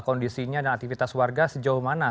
kondisinya dan aktivitas warga sejauh mana